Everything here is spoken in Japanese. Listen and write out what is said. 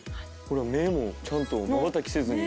目もちゃんとまばたきせずに。